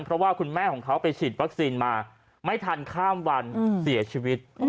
เพราะว่าคุณแม่ของเขาไปฉีดวัคซีนมาไม่ทันข้ามวันเสียชีวิต